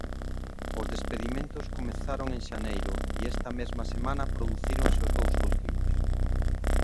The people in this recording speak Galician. Os despedimentos comezaron en xaneiro e esta mesma semana producíronse os dous últimos.